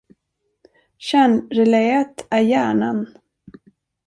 Kärnreläet är hjärnan.